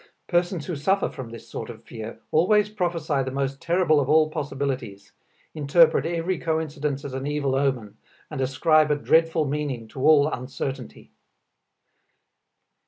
Persons who suffer from this sort of fear always prophesy the most terrible of all possibilities, interpret every coincidence as an evil omen, and ascribe a dreadful meaning to all uncertainty.